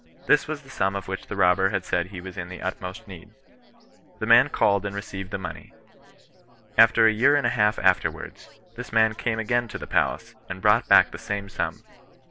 This was the sum of which the robber had said he was in the utmost need. The man called and received the money. About a year and a half afterwards, this man came again to the palace, and brought back the same sum.